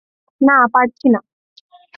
না, পারছি না।